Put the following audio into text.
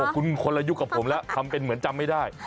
คุณคนละยุคกับผมแล้วทำเป็นเหมือนจำไม่ได้